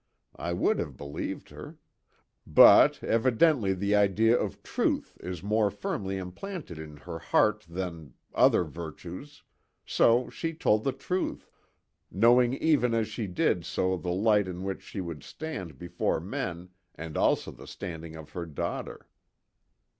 I would have believed her. But, evidently the idea of truth is more firmly implanted in her heart than other virtues so she told the truth knowing even as she did so the light in which she would stand before men, and also the standing of her daughter."